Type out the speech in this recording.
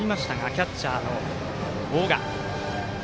キャッチャーの大賀。